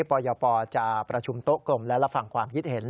ปยปจะประชุมโต๊ะกลมและรับฟังความคิดเห็น